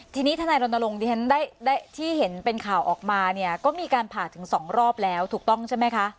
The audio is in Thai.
ทีนี้ทนายรณรงค์ที่เห็นเป็นข่าวออกมาเนี่ยก็มีการผ่าถึง๒รอบแล้วถูกต้องใช่ไหมคะ